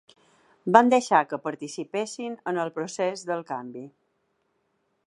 Van deixar que participessin en el procés del canvi.